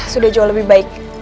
sudah jauh lebih baik